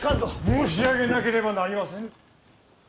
申し上げなければなりませぬ。